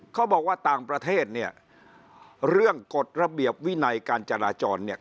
เขาบอกว่าต่างประเทศเนี่ยเรื่องกฎระเบียบวินัยการจราจรเนี่ย